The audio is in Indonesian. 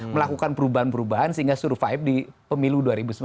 melakukan perubahan perubahan sehingga survive di pemilu dua ribu sembilan belas